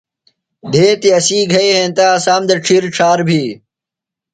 دھیتیۡ اسی گھئیۡ ہینتہ، اسام تھےۡ ڇِھیر ڇھار بھی